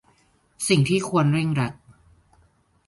สิ่งที่ควรเร่งรัด